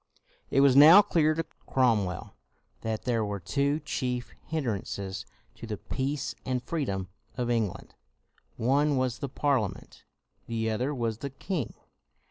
It was now clear to Cromwell that there were two chief hindrances to the peace and freedom of England; one was the Parlia ment, the other was the king.